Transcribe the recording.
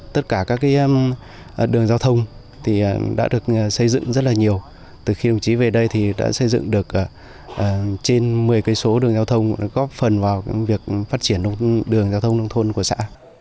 từ khi đồng chí về đây thì đã xây dựng được trên một mươi cây số đường giao thông góp phần vào việc phát triển đường giao thông nông thuận của xã